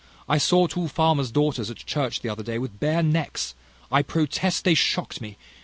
I saw two farmers' daughters at church, the other day, with bare necks. I protest they shocked me.